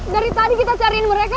dari tadi kita cariin mereka